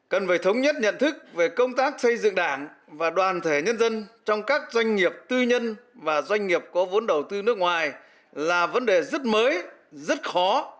cần phải thống nhất nhận thức về công tác xây dựng đảng và đoàn thể nhân dân trong các doanh nghiệp tư nhân và doanh nghiệp có vốn đầu tư nước ngoài là vấn đề rất mới rất khó